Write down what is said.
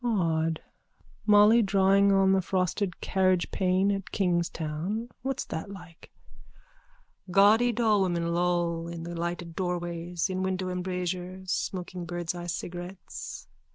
_) Odd! Molly drawing on the frosted carriagepane at Kingstown. What's that like? _(Gaudy dollwomen loll in the lighted doorways, in window embrasures, smoking birdseye cigarettes.